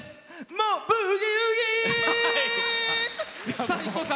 もうブギウギ！